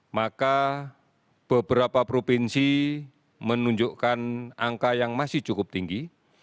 maka beberapa provinsi menunjukkan angka yang masih cukup tinggi